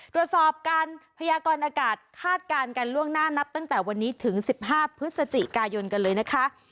ตรวจสอบการพยากรอากาศคาดการณ์กันล่วงหน้านับตั้งแต่วันนี้ถึง๑๕พฤศจิกายนกันเลยนะคะ